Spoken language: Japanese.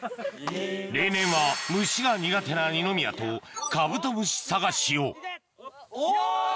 例年は虫が苦手な二宮とカブトムシ探しをお！